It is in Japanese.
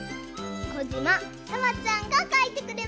こじまさわちゃんがかいてくれました。